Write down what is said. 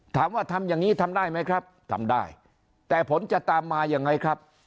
ทำอย่างนี้ทำได้ไหมครับทำได้แต่ผลจะตามมายังไงครับ